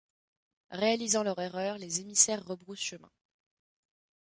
Réalisant leur erreur, les émissaires rebroussent chemin.